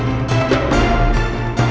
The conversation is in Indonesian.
jangan lupa joko tingkir